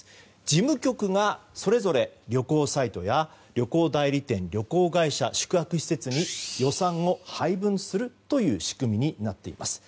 事務局がそれぞれ旅行サイトや旅行代理店、旅行会社宿泊施設に予算を配分するという仕組みになっています。